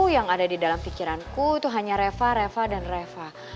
yang ada di dalam pikiranku itu hanya reva reva dan reva